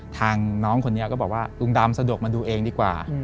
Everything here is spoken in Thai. น้องคนนี้ก็บอกว่าลุงดำสะดวกมาดูเองดีกว่า